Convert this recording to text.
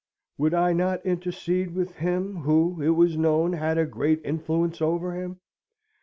Would I not intercede with him, who, it was known, had a great influence over him?